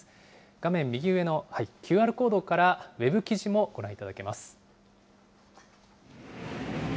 画面右上のＱＲコードからウェブ記事もご覧いただけます。